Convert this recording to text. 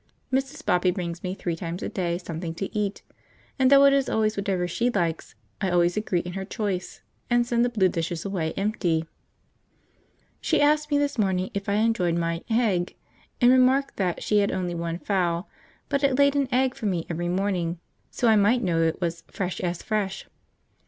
Mrs. Bobby brings me three times a day something to eat, and though it is always whatever she likes, I always agree in her choice, and send the blue dishes away empty. She asked me this morning if I enjoyed my 'h'egg,' and remarked that she had only one fowl, but it laid an egg for me every morning, so I might know it was 'fresh as fresh.'